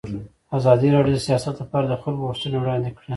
ازادي راډیو د سیاست لپاره د خلکو غوښتنې وړاندې کړي.